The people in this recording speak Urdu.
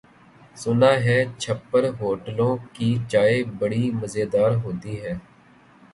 سنا ہے چھپر ہوٹلوں کی چائے بڑی مزیدار ہوتی ہے۔